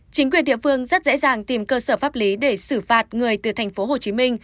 chính quyền địa phương rất dễ dàng tìm cơ sở pháp lý để xử phạt người từ thành phố hồ chí minh